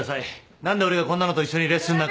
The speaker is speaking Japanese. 何で俺がこんなのと一緒にレッスンなんか。